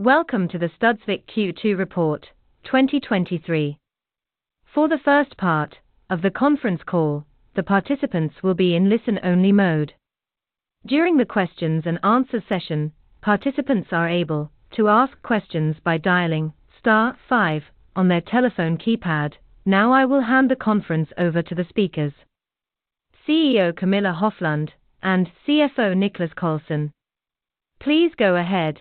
Welcome to the Studsvik Q2 report 2023. For the first part of the conference call, the participants will be in listen-only mode. During the questions and answer session, participants are able to ask questions by dialing star five on their telephone keypad. I will hand the conference over to the speakers, CEO Camilla Hoflund and CFO Niklas Karlsson. Please go ahead.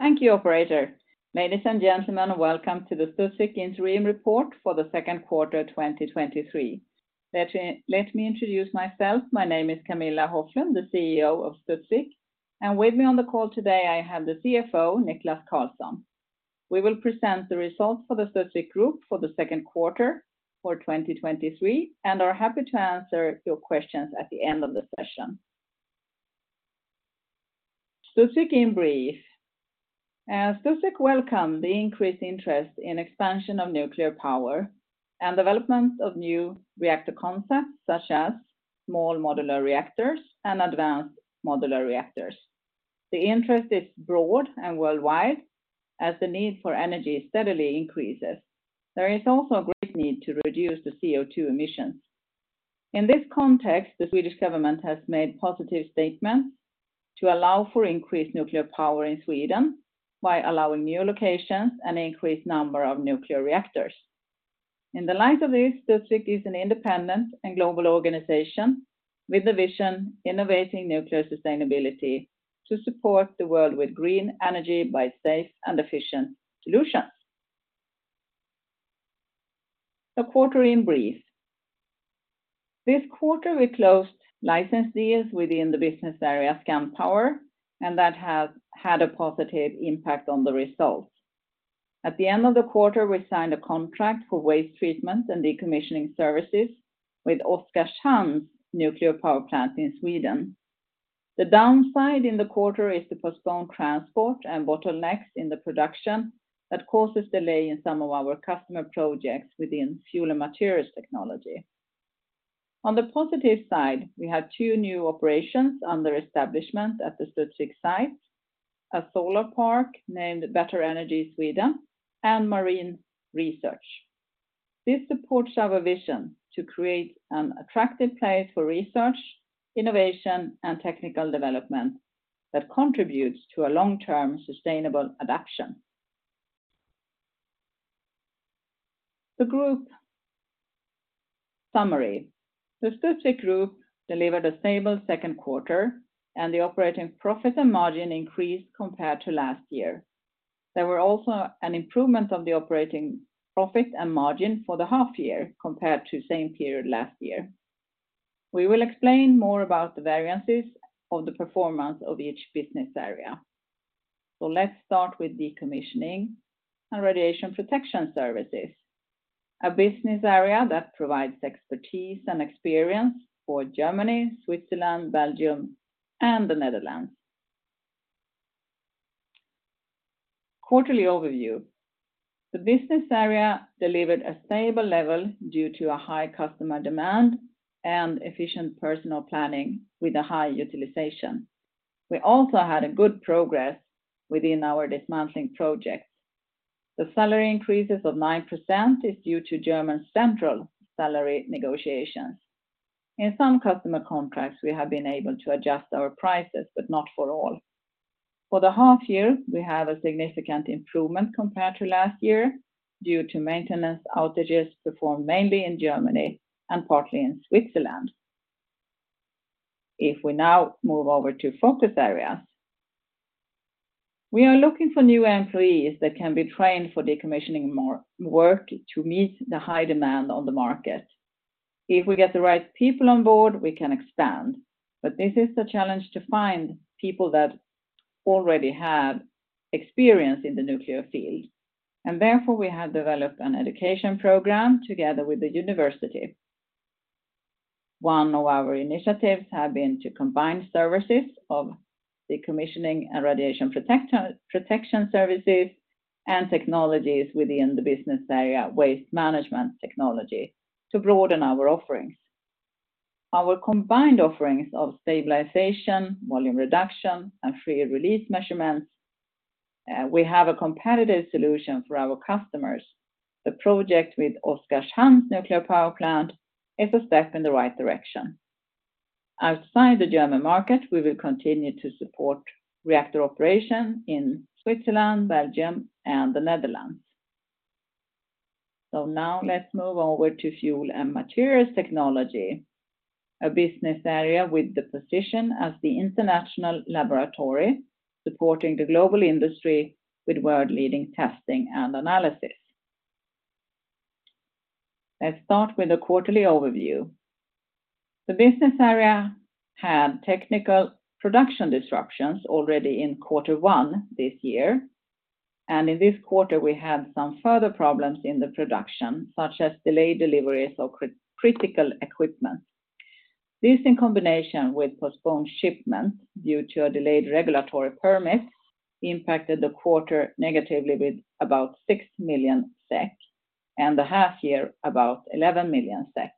Thank you, operator. Ladies and gentlemen, welcome to the Studsvik Interim Report for the Q2 2023. Let me introduce myself. My name is Camilla Hoflund, the CEO of Studsvik, and with me on the call today, I have the CFO, Niklas Karlsson. We will present the results for the Studsvik Group for the Q2 for 2023, and are happy to answer your questions at the end of the session. Studsvik in brief. Studsvik welcome the increased interest in expansion of nuclear power and development of new reactor concepts, such as small modular reactors and advanced modular reactors. The interest is broad and worldwide, as the need for energy steadily increases. There is also a great need to reduce the CO2 emissions. In this context, the Swedish government has made positive statements to allow for increased nuclear power in Sweden by allowing new locations and increased number of nuclear reactors. In the light of this, Studsvik is an independent and global organization with the vision, innovating nuclear sustainability to support the world with green energy by safe and efficient solutions. The quarter in brief. This quarter, we closed license deals within the business area, Scandpower, that has had a positive impact on the results. At the end of the quarter, we signed a contract for waste treatment and decommissioning services with Oskarshamn Nuclear Power Plant in Sweden. The downside in the quarter is the postponed transport and bottlenecks in the production that causes delay in some of our customer projects within Fuel and Materials Technology. On the positive side, we have two new operations under establishment at the Studsvik site, a solar park named Better Energy Sweden and Marine Research. This supports our vision to create an attractive place for research, innovation, and technical development that contributes to a long-term sustainable adaptation. The group summary. The Studsvik Group delivered a stable Q2. The operating profit and margin increased compared to last year. There were also an improvement of the operating profit and margin for the half year compared to same period last year. We will explain more about the variances of the performance of each business area. Let's start with Decommissioning and Radiation Protection Services, a business area that provides expertise and experience for Germany, Switzerland, Belgium, and the Netherlands. Quarterly overview. The business area delivered a stable level due to a high customer demand and efficient personal planning with a high utilization. We also had a good progress within our dismantling projects. The salary increases of 9% is due to German central salary negotiations. In some customer contracts, we have been able to adjust our prices, not for all. For the half year, we have a significant improvement compared to last year due to maintenance outages performed mainly in Germany and partly in Switzerland. We now move over to focus areas, we are looking for new employees that can be trained for decommissioning more, work to meet the high demand on the market. If we get the right people on board, we can expand, but this is the challenge to find people that already have experience in the nuclear field, and therefore, we have developed an education program together with the university. One of our initiatives have been to combine services of Decommissioning and Radiation Protection Services and technologies within the business area, Waste Management Technology, to broaden our offerings. Our combined offerings of stabilization, volume reduction, and free release measurements, we have a competitive solution for our customers. The project with Oskarshamn Nuclear Power Plant is a step in the right direction. Outside the German market, we will continue to support reactor operation in Switzerland, Belgium, and the Netherlands. Now let's move over to Fuel and Materials Technology, a business area with the position as the international laboratory, supporting the global industry with world-leading testing and analysis. Let's start with a quarterly overview. The business area had technical production disruptions already in quarter one this year. In this quarter, we had some further problems in the production, such as delayed deliveries of critical equipment. This, in combination with postponed shipments due to a delayed regulatory permits, impacted the quarter negatively with about 6 million SEK, and the half year, about 11 million SEK.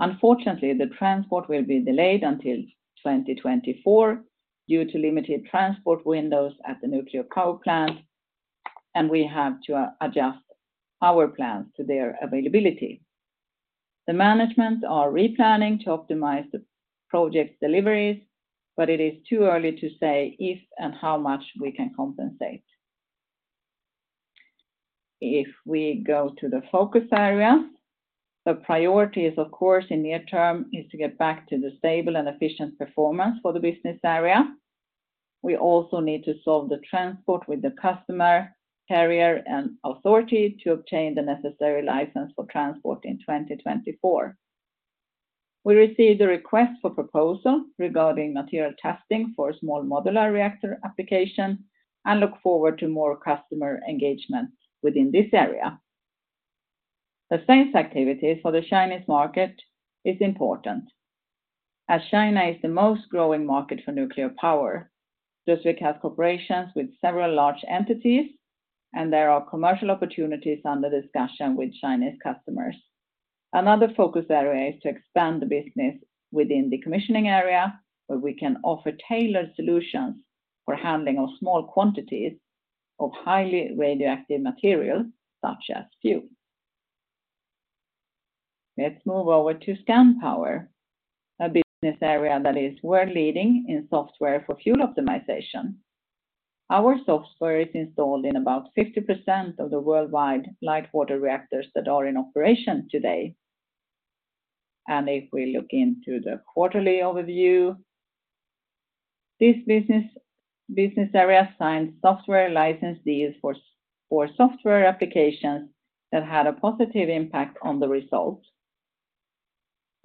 Unfortunately, the transport will be delayed until 2024 due to limited transport windows at the nuclear power plant, we have to adjust our plans to their availability. The management are replanning to optimize the project deliveries. It is too early to say if and how much we can compensate. If we go to the focus area, the priorities, of course, in near term, is to get back to the stable and efficient performance for the business area. We also need to solve the transport with the customer, carrier, and authority to obtain the necessary license for transport in 2024. We received a request for proposal regarding material testing for small modular reactor application and look forward to more customer engagement within this area. The sales activities for the Chinese market is important, as China is the most growing market for nuclear power. Studsvik has corporations with several large entities, and there are commercial opportunities under discussion with Chinese customers. Another focus area is to expand the business within the commissioning area, where we can offer tailored solutions for handling of small quantities of highly radioactive material, such as fuel. Let's move over to Scandpower, a business area that is world-leading in software for fuel optimization. Our software is installed in about 50% of the worldwide light water reactors that are in operation today. If we look into the quarterly overview, this business area signed software license deals for software applications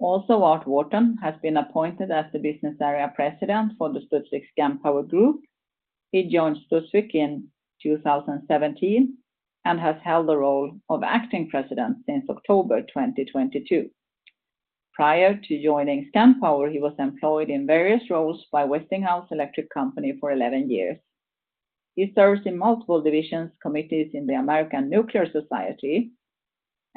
that had a positive impact on the result. Art Wharton has been appointed as the Business Area President for the Studsvik Scandpower Group. He joined Studsvik in 2017, and has held the role of Acting President since October 2022. Prior to joining Scandpower, he was employed in various roles by Westinghouse Electric Company for 11 years. He serves in multiple divisions, committees in the American Nuclear Society,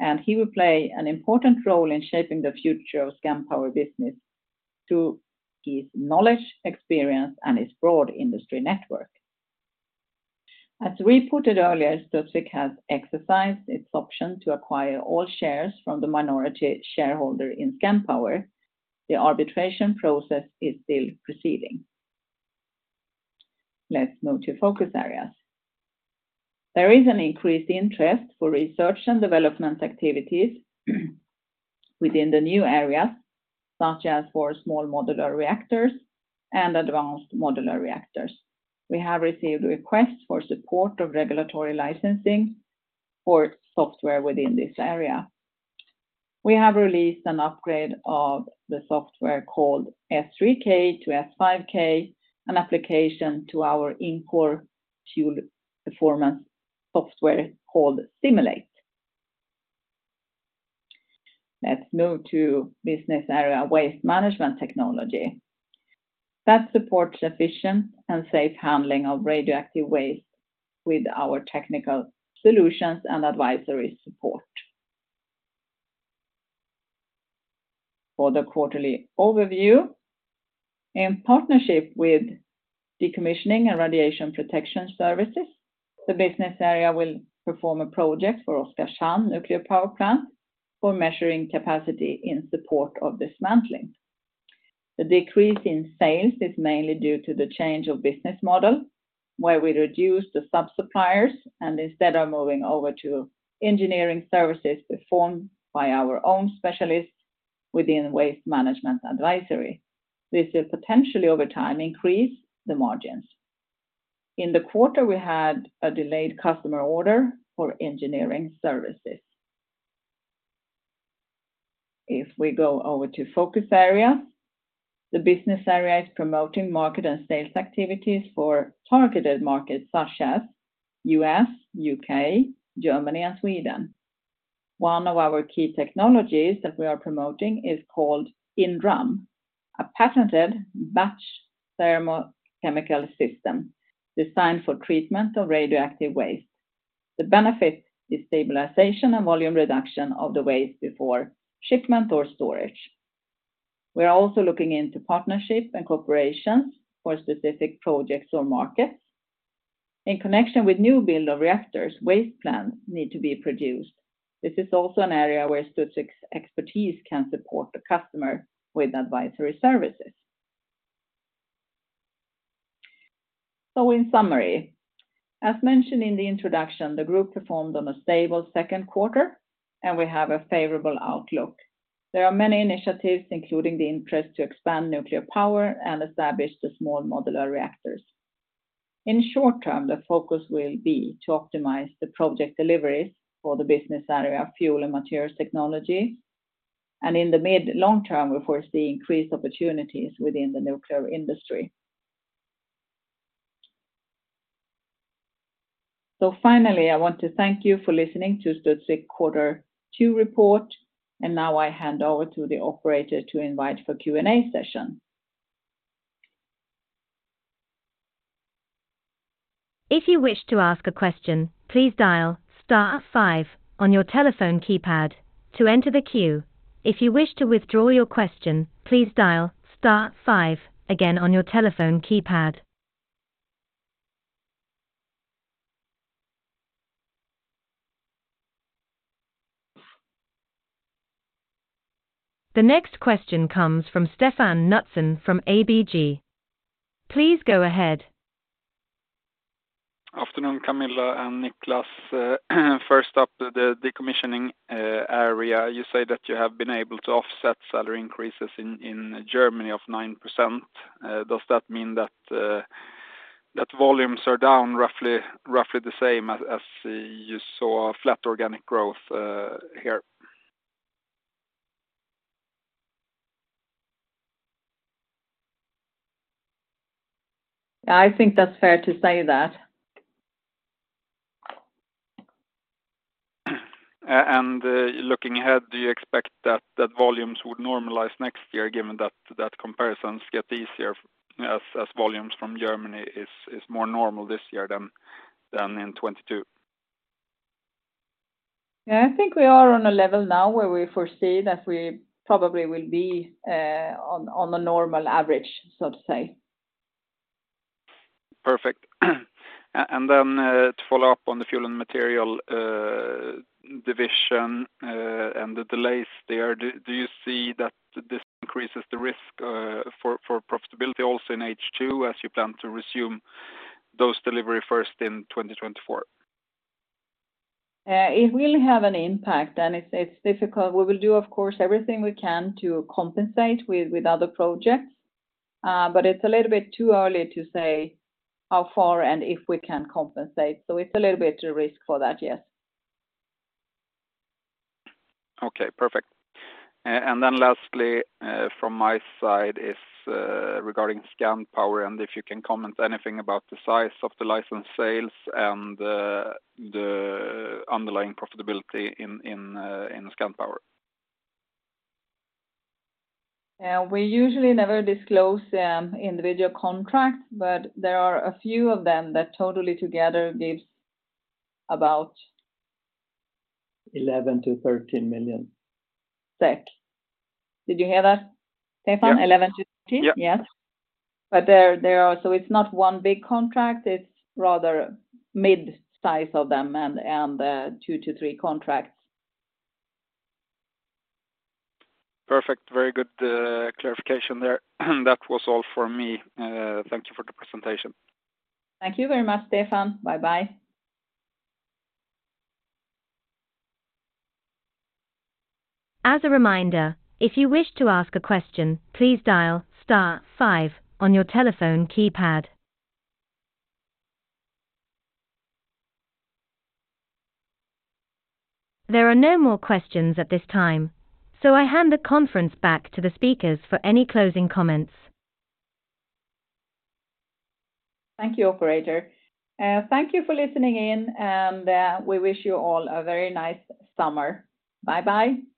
and he will play an important role in shaping the future of Scandpower business through his knowledge, experience, and his broad industry network. As reported earlier, Studsvik has exercised its option to acquire all shares from the minority shareholder in Scandpower. The arbitration process is still proceeding. Let's move to focus areas. There is an increased interest for research and development activities within the new areas, such as for small modular reactors and advanced modular reactors. We have received requests for support of regulatory licensing for software within this area. We have released an upgrade of the software called SIMULATE-3K to SIMULATE5, an application to our in-core fuel performance software called SIMULATE5. Let's move to business area Waste Management Technology. That supports efficient and safe handling of radioactive waste with our technical solutions and advisory support. For the quarterly overview, in partnership with Decommissioning and Radiation Protection Services, the business area will perform a project for Oskarshamn Nuclear Power Plant for measuring capacity in support of dismantling. The decrease in sales is mainly due to the change of business model, where we reduce the sub-suppliers and instead are moving over to engineering services performed by our own specialists within waste management advisory. This will potentially, over time, increase the margins. In the quarter, we had a delayed customer order for engineering services. If we go over to focus area, the business area is promoting market and sales activities for targeted markets such as U.S., U.K., Germany, and Sweden. One of our key technologies that we are promoting is called inDRUM, a patented batch thermochemical system designed for treatment of radioactive waste. The benefit is stabilization and volume reduction of the waste before shipment or storage. We are also looking into partnerships and corporations for specific projects or markets. In connection with new build of reactors, waste plans need to be produced. This is also an area where Studsvik's expertise can support the customer with advisory services. In summary, as mentioned in the introduction, the group performed on a stable Q2, and we have a favorable outlook. There are many initiatives, including the interest to expand nuclear power and establish the small modular reactors. In short term, the focus will be to optimize the project deliveries for the business area, Fuel and Materials Technology, and in the mid long term, we foresee increased opportunities within the nuclear industry. Finally, I want to thank you for listening to Studsvik quarter two report, and now I hand over to the operator to invite for Q&A session. If you wish to ask a question, please dial star five on your telephone keypad to enter the queue. If you wish to withdraw your question, please dial star five again on your telephone keypad. The next question comes from Stefan Knutsson from ABG. Please go ahead. Afternoon, Camilla and Niklas. First up, the decommissioning area. You say that you have been able to offset salary increases in Germany of 9%. Does that mean that volumes are down roughly the same as you saw flat organic growth here? I think that's fair to say that. Looking ahead, do you expect that volumes would normalize next year, given that comparisons get easier as volumes from Germany is more normal this year than in 2022? I think we are on a level now where we foresee that we probably will be on a normal average, so to say. Perfect. Then, to follow up on the Fuel and Material Division, and the delays there, do you see that this increases the risk, for profitability also in H2, as you plan to resume those delivery first in 2024? It will have an impact. It's difficult. We will do, of course, everything we can to compensate with other projects. It's a little bit too early to say how far and if we can compensate. It's a little bit a risk for that, yes. Okay, perfect. Lastly, from my side is, regarding Scandpower, and if you can comment anything about the size of the license sales and, the underlying profitability in Scandpower. We usually never disclose the individual contracts, there are a few of them that totally together gives 11 million-13 million. Did you hear that, Stefan? Yeah. 11-13? Yeah. Yes. There are. So it's not one big contract, it's rather mid-size of them and 2-3 contracts. Perfect. Very good, clarification there. That was all for me. Thank you for the presentation. Thank you very much, Stefan. Bye bye. As a reminder, if you wish to ask a question, please dial star five on your telephone keypad. There are no more questions at this time, I hand the conference back to the speakers for any closing comments. Thank you, operator. Thank you for listening in, and we wish you all a very nice summer. Bye-bye.